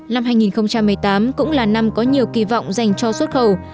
năm hai nghìn một mươi tám cũng là năm có nhiều kỳ vọng dành cho xuất khẩu